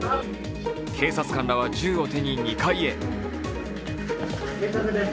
警察官らは銃を手に２階へ。